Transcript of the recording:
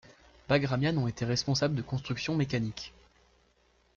Baghramyan ont été responsables des constructions mécaniques.